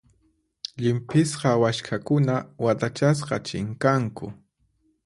Llimp'isqa waskhakuna watachasqa chinkanku.